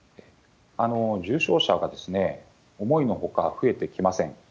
重症者が思いのほか増えてきません。